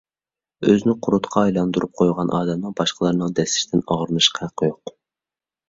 ئۆزىنى قۇرتقا ئايلاندۇرۇپ قويغان ئادەمنىڭ باشقىلارنىڭ دەسسىشىدىن ئاغرىنىشقا ھەققى يوق.